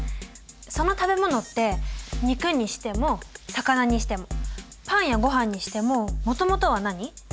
その食べ物って肉にしても魚にしてもパンやごはんにしてももともとは何？